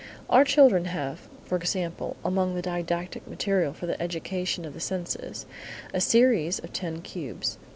Our children have, for example, among the didactic material for the education of the senses, a series of ten cubes.